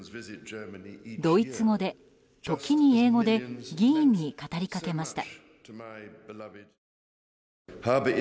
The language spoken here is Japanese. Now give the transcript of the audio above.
ドイツ語で、時に英語で議員に語りかけました。